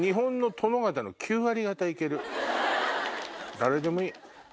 誰でもいい。